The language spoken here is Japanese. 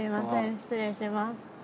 失礼します